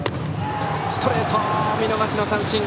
ストレート、見逃し三振！